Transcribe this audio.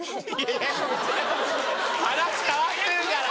いや話変わってるから。